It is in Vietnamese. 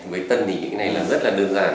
với tân thì cái này là rất là đơn giản